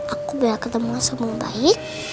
aku biar ketemu sama baik